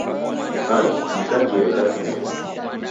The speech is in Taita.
Hai, ni kajighe katineri!